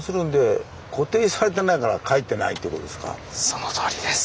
そのとおりです。